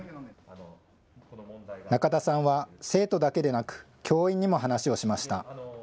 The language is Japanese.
仲田さんは生徒だけでなく、教員にも話をしました。